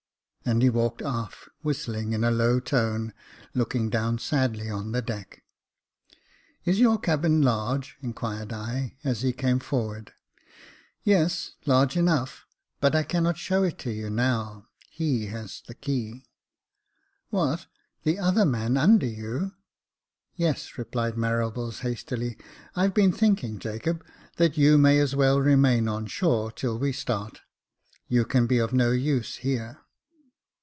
And he walked aft, whistling in a low tone, looking down sadly on the deck. " Is your cabin large ?" inquired I, as he came forward. " Yes, large enough j but I cannot show it to you now — he has the key." *' What, the other man under you ?"Yes," replied Marables, hastily. " I've been thinking, Jacob, that you may as well remain on shore till we start. You can be of no use here."